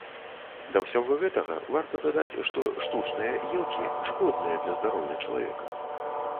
Да ўсяго гэтага варта дадаць, што штучныя елкі шкодныя для здароўя чалавека.